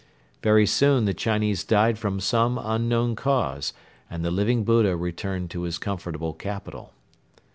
Very soon the Chinese died from some unknown cause and the Living Buddha returned to his comfortable capital.